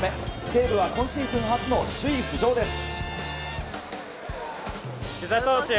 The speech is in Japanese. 西武は今シーズン初の首位浮上です。